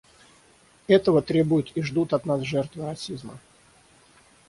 Этого требуют и ждут от нас жертвы расизма.